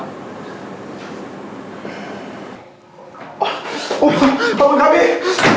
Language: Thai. ขอบคุณครับพี่